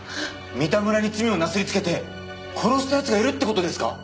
三田村に罪をなすりつけて殺した奴がいるって事ですか？